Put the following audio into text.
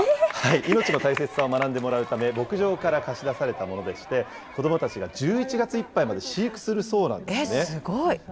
命の大切さを学んでもらうため、牧場から貸し出されたものでして、子どもたちが１１月いっぱいまで飼育するそうなんですね。